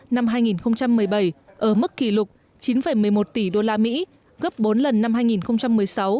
năm hai nghìn một mươi bảy ở mức kỷ lục chín một mươi một tỷ đô la mỹ gấp bốn lần năm hai nghìn một mươi sáu